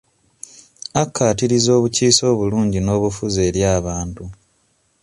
Akkaatiriza obukiise obulungi n'obufuzi eri abantu.